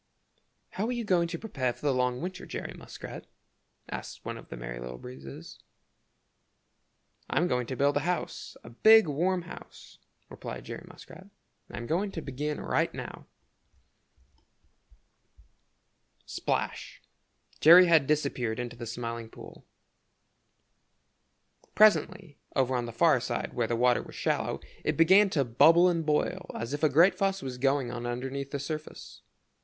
"How are you going to prepare for the long cold winter, Jerry Muskrat?" asked one of the Merry Little Breezes. "I'm going to build a house, a big, warm house," replied Jerry Muskrat, "and I'm going to begin right now." [Illustration: "I'm going, to build a house," replied Jerry Muskrat.] Splash! Jerry had disappeared into the Smiling Pool. Presently, over on the far side where the water was shallow, it began to bubble and boil as if a great fuss was going on underneath the surface.